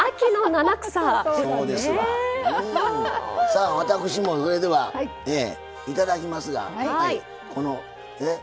さあ私もそれではいただきますがこの里芋まんじゅう。